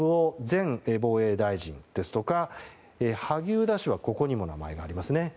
前防衛大臣ですとか萩生田氏はここにも名前がありますね。